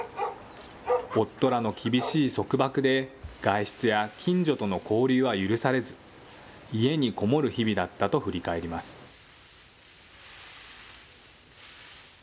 夫らの厳しい束縛で、外出や近所との交流は許されず、家に籠もる日々だったと振り返ります。